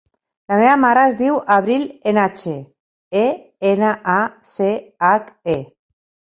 La meva mare es diu Abril Enache: e, ena, a, ce, hac, e.